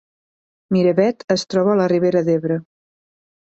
Miravet es troba a la Ribera d’Ebre